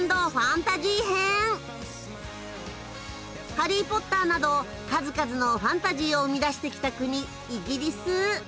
「ハリー・ポッター」など数々のファンタジーを生み出してきた国イギリス。